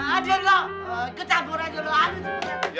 aduh kecampur aja